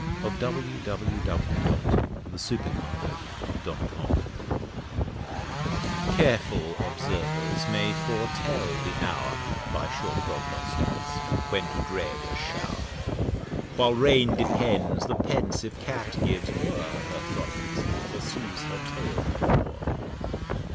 Y Z A Description of a City Shower CAREFUL Observers may fortel the Hour (By sure Prognosticks) when to dread a Show'r: While Rain depends, the pensive Cat gives o'er Her Frolicks, and pursues her Tail no more.